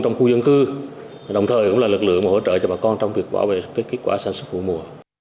trong khu dân cư đồng thời cũng là lực lượng hỗ trợ cho bà con trong việc bảo vệ kết quả sản xuất vụ mùa